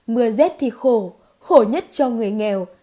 mưa rét thì khổ khổ nhất cho người nghèo